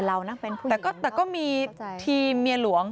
แต่เรานั่งเป็นผู้หญิงแต่ก็มีทีมเมียหลวง